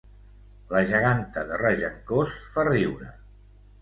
La geganta de Regencós fa riure